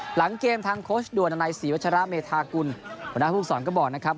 หลังเกมทางโค้ชด่วนอนัยศรีวัชระเมธากุลหัวหน้าภูมิสอนก็บอกนะครับ